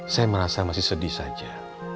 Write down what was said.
saya merasa masih sedih saja